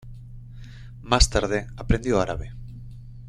Más tarde aprendió árabe.